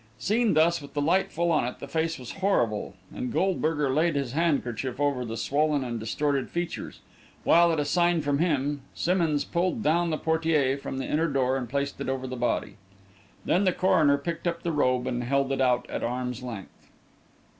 Seen thus, with the light full on it, the face was horrible, and Goldberger laid his handkerchief over the swollen and distorted features, while, at a sign from him, Simmonds pulled down the portière from the inner door and placed it over the body. Then the coroner picked up the robe and held it out at arms' length.